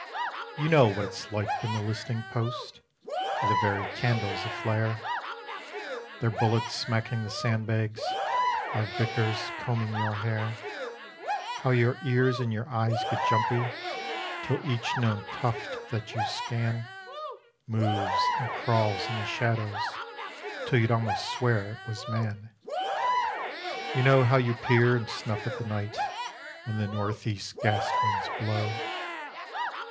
"You know what it's like in the listening post, with the very candles aflare, Their bullets smacking the sandbags, our Vickers combing your hair; How your ears and your eyes get jumpy, till each known tuft that you scan Moves and crawls in the shadows till you'd almost swear it was man. You know how you peer and snuff at the night when the Northeast gas winds blow."